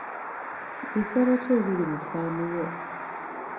Bisolo ki ebiri ku ffaamu yo?